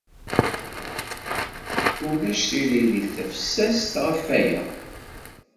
Ulac tiririt tafessast ɣef waya.